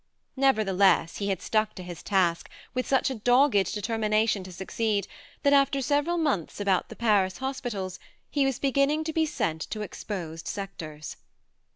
Nevertheless he had stuck to his task with such a dogged determination to succeed that after several months about the Paris hospitals he was beginning to be sent to exposed sectors.